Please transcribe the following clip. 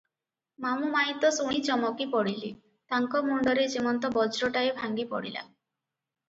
ମାମୁ ମାଇଁ ତ ଶୁଣି ଚମକି ପଡ଼ିଲେ, ତାଙ୍କ ମୁଣ୍ଡରେ ଯେମନ୍ତ ବଜ୍ରଟାଏ ଭାଙ୍ଗି ପଡିଲା ।